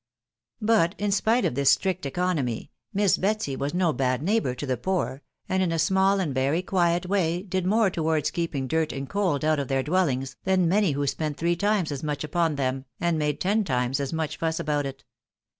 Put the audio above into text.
But, in spite of this strict economy, Miss Betsy was no had neighbour to the poor, and in a smaall and very quiet way did more towards keeping dirt and cold out of their dwellings, than many who spent three times. as much upon them, and made ten times as much fuss about it.